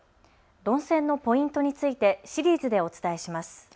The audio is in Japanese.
論戦のポイントについてシリーズでお伝えします。